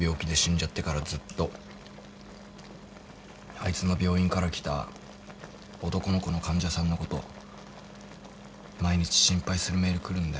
あいつの病院から来た男の子の患者さんのこと毎日心配するメール来るんだよ。